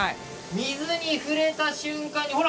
水に触れた瞬間にほら！